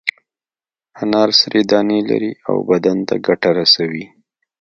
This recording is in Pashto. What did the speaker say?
انار سرې دانې لري او بدن ته ګټه رسوي.